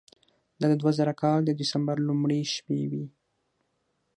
دا د دوه زره کال د دسمبر لومړۍ شپې وې.